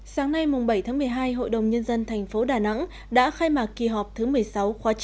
sáng nay bảy tháng một mươi hai hội đồng nhân dân thành phố đà nẵng đã khai mạc kỳ họp thứ một mươi sáu khóa chín